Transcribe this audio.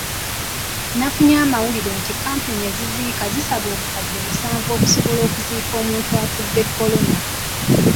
Nafunye amawulire nti kkampuni eziziika zisaba obukadde musanvu okusobola okuziika omuntu afudde Corona.